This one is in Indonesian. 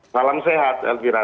salam sehat elvira